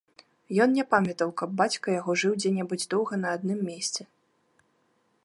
Ён не памятаў, каб бацька яго жыў дзе небудзь доўга на адным мейсцы.